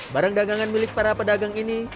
barang dagangan milik para pedagang ini